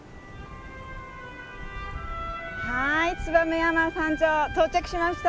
はいツバメ山山頂到着しました。